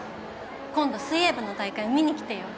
今度水泳部の大会見に来てよ。